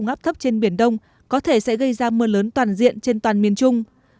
các khu vực áp thấp trên biển đông có thể sẽ gây ra mưa lớn toàn diện trên toàn miền trung